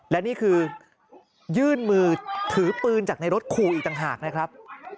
และนี่คือยื่นมือถือปืนจากในรถขู่อีกต่างหากนะครับ